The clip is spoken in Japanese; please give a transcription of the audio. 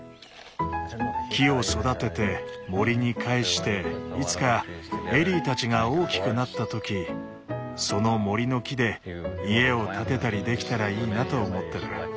木を育てて森に還していつかエリーたちが大きくなった時その森の木で家を建てたりできたらいいなと思ってる。